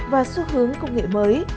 và xu hướng công nghệ mới